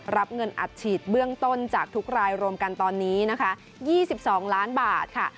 รับเงินอัดฉีดเบื้องต้นจากทุกรายรวมกันตอนนี้นะคะ๒๒ล้านบาทค่ะ